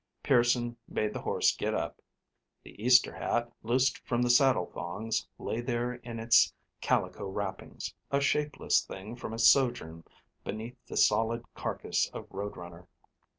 Pearson made the horse get up. The Easter hat, loosed from the saddle thongs, lay there in its calico wrappings, a shapeless thing from its sojourn beneath the solid carcass of Road Runner.